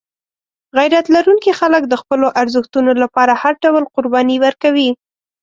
غیرت لرونکي خلک د خپلو ارزښتونو لپاره هر ډول قرباني ورکوي.